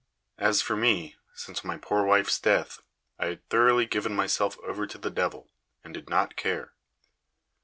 As for me, since my poor wife's death I had thoroughly given myself over to the devil, and did not care.